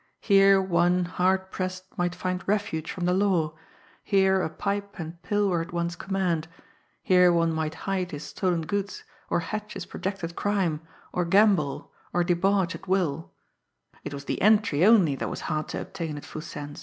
Here, one, hard pressed, might find refuge from the law; here a pipe and pill were at one's command; here one might hide his stolen goods, or hatch his projected crime, or gamble, or debauch at will it was the entree only that was hard to obtain at Foo Sen's!